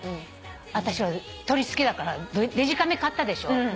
私鳥好きだからデジカメ買ったでしょ。